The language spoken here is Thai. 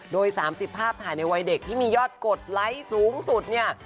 โดย๓๐ภาพถ่ายในวัยเด็กที่มียอดกดไลค์สูงสุดเนี่ย